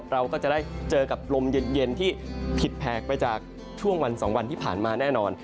เราก็จะได้เจอกับลมเย็นที่ผิดแผกไปจากช่วงวัน๒วันที่ผ่านมาแน่นอน